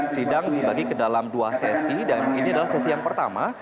sidang dibagi ke dalam dua sesi dan ini adalah sesi yang pertama